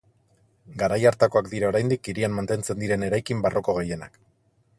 Garai hartakoak dira oraindik hirian mantentzen diren eraikin barroko gehienak.